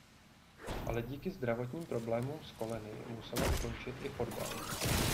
Ale díky zdravotním problémům s koleny musela ukončit i fotbal.